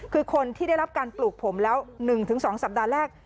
คือคนที่ได้รับการปลูกผมแล้ว๑๒สัปดาห์แรก